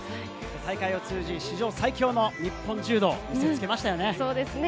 大会を通じ、史上最強の日本柔道を見せ付けましたね。